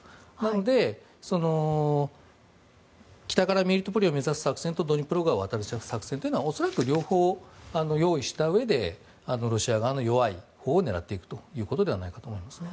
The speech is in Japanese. なので北からメリトポリを目指す作戦とドニプロ川を渡る作戦というのは恐らく両方用意したうえでロシア側の弱いほうを狙っていくということではないかと思います。